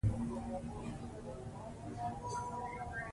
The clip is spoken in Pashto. ولې شاهانو د هغې غم ونه کړ؟